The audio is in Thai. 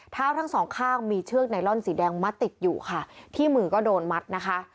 ทั้งสองข้างมีเชือกไนลอนสีแดงมัดติดอยู่ค่ะที่มือก็โดนมัดนะคะ